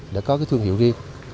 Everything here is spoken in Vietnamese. để có thương hiệu riêng